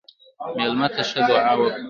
مېلمه ته ښه دعا وکړه.